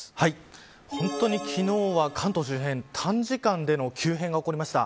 昨日は関東周辺短時間での急変が起こりました。